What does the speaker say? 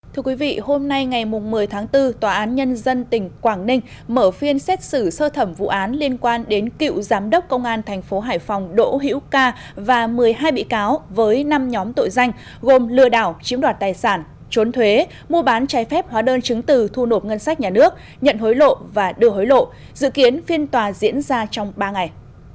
thưa quý vị hôm nay ngày một mươi tháng bốn tòa án nhân dân tỉnh quảng ninh mở phiên xét xử sơ thẩm vụ án liên quan đến cựu giám đốc công an thành phố hải phòng đỗ hiễu ca và một mươi hai bị cáo với năm nhóm tội danh gồm lừa đảo chiếm đoạt tài sản trốn thuế mua bán trái phép hóa đơn chứng từ thu nộp ngân sách nhà nước nhận hối lộ và đưa hối lộ dự kiến phiên tòa diễn ra trong ba ngày